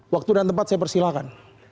waktu dan tempat saya persilahkan